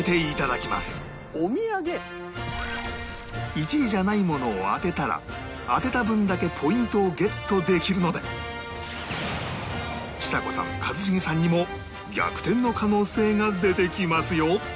１位じゃないものを当てたら当てた分だけポイントをゲットできるのでちさ子さん一茂さんにも逆転の可能性が出てきますよ